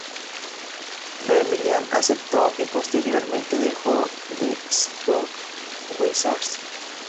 Vermilion aceptó y posteriormente dejó The Stump Wizards.